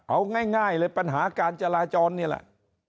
เอาง่ายเลยปัญหาการจราจรนี่แหละ